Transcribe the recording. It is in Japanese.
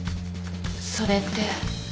それって？